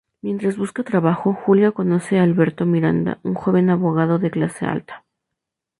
Mientras busca trabajo, Julia conoce a Alberto Miranda, un joven abogado de clase alta.